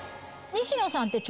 西野さんって。